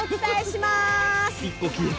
１個消えた。